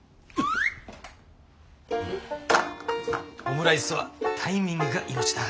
オムライスはタイミングが命だ。